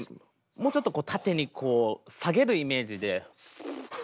もうちょっと縦に下げるイメージで。